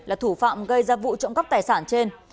là thủ phạm gây ra vụ trộm cắp tài sản trên